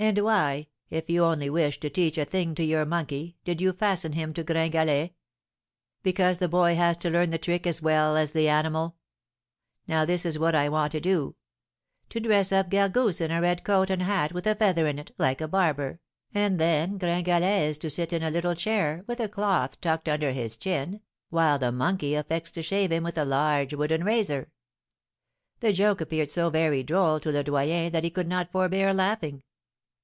And why, if you only wished to teach a thing to your monkey, did you fasten him to Gringalet?' 'Because the boy has to learn the trick as well as the animal. Now this is what I want to do, to dress up Gargousse in a red coat and a hat with a feather in it, like a barber, and then Gringalet is to sit in a little chair, with a cloth tucked under his chin, while the monkey affects to shave him with a large wooden razor.' The joke appeared so very droll to Le Doyen that he could not forbear laughing.